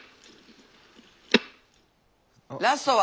ラストは？